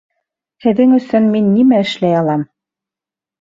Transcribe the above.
Һеҙҙең өсөн мин нимә эшләй алам?